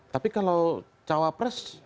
tapi kalau cawa pres